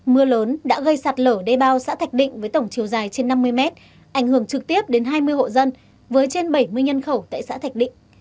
mưa lớn đã gây sạt lở đê bao xã thạch định với tổng chiều dài trên năm mươi mét ảnh hưởng trực tiếp đến hai mươi hộ dân với trên bảy mươi nhân khẩu tại xã thạch định